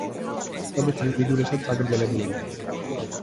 პრომეთე უკიდურესად წაგრძელებულია.